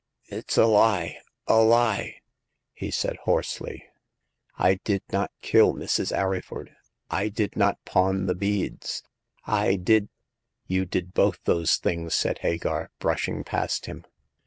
It's a lie ! a lie !he said hoarsely. " I did not kill Mrs. Arryford ; I did not pawn the beads. I did ''" You did both those things !" said Hagar, brushing past him.